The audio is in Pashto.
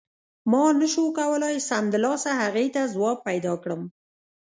ما نه شو کولای سمدلاسه هغې ته ځواب پیدا کړم.